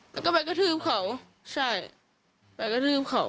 แล้วก็ไปกระทืบเขาใช่ไปกระทืบเขา